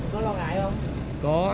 có lo ngại không